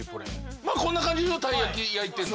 まあこんな感じのたい焼き焼いてるの。